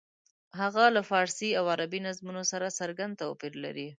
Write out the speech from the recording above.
هغه له فارسي او عربي نظمونو سره څرګند توپیر لري.